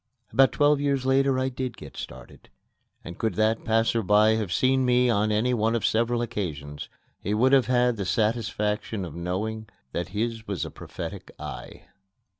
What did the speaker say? About twelve years later I did get started, and could that passer by have seen me on any one of several occasions, he would have had the satisfaction of knowing that his was a prophetic eye.